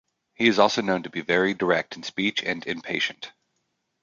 He is also known to be very direct in speech and impatient.